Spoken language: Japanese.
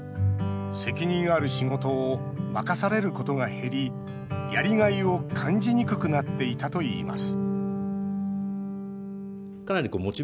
責任ある仕事を任されることが減りやりがいを感じにくくなっていたといいます